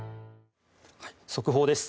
速報です。